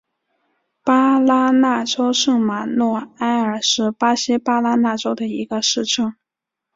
巴拉那州圣马诺埃尔是巴西巴拉那州的一个市镇。